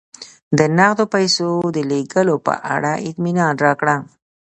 د نغدو پیسو د لېږلو په اړه اطمینان راکړه.